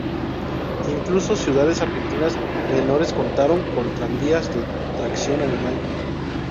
Incluso ciudades argentinas menores contaron con tranvías de tracción animal.